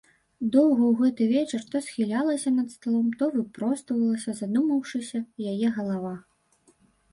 Доўга ў гэты вечар то схілялася над сталом, то выпроствалася, задумаўшыся, яе галава.